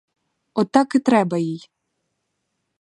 От так і треба їй.